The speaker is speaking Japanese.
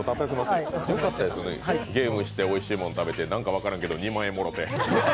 よかったです、ゲームしておいしいもの食べて、何か分からんけど２万円もろて。